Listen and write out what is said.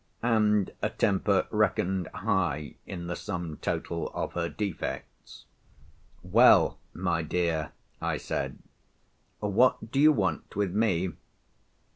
And a temper reckoned high in the sum total of her defects. "Well, my dear," I said, "what do you want with me?"